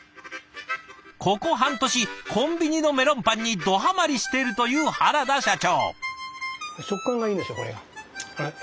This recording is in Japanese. ここ半年コンビニのメロンパンにドハマりしているという原田社長。